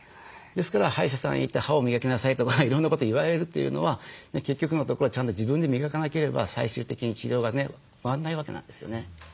ですから歯医者さんへ行って歯を磨きなさいとかいろんなことを言われるというのは結局のところちゃんと自分で磨かなければ最終的に治療がね終わんないわけなんですよね。